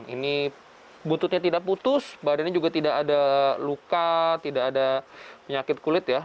ini bututnya tidak putus badannya juga tidak ada luka tidak ada penyakit kulit